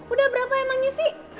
udah berapa emangnya sih